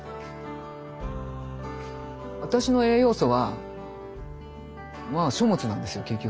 私の栄養素はまあ書物なんですよ結局。